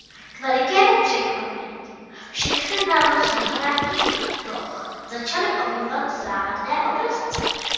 K velikému překvapení všech se na rozhraní ploch začaly objevovat záhadné obrazce.